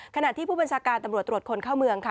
ขณะที่ผู้บัญชาการตำรวจตรวจคนเข้าเมืองค่ะ